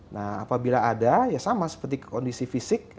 nah apabila ada ya sama seperti kondisi fisik